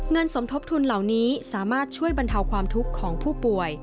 สมทบทุนเหล่านี้สามารถช่วยบรรเทาความทุกข์ของผู้ป่วย